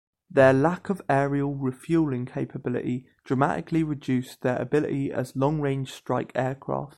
Their lack of aerial refueling capability dramatically reduced their ability as long-range strike aircraft.